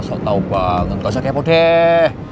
asal tau banget gak usah kepo deh